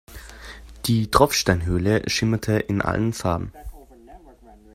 Die Tropfsteinhöhle schimmerte in allen Farben.